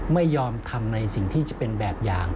ไม่ยอมทำในสิ่งที่จะเป็นแบบอย่าง